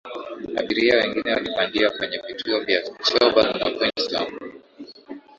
abiria wengine walipandia kwenye vituo vya cherbourg na queenstown